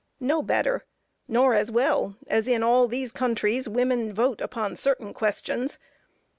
No better; nor as well, as in all these countries, women vote upon certain questions.